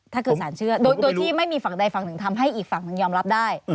ถ้าเกิดสารเชื่อโดยที่ไม่มีฝั่งใดฝั่งหนึ่งทำให้อีกฝั่งหนึ่งยอมรับได้